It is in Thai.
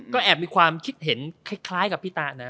ก็แอบมีความคิดเห็นคล้ายกับพี่ตะนะ